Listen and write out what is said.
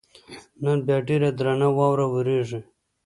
نن بیا ډېره درنه واوره ورېږي.